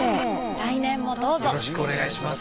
来年もどうぞよろしくお願いします。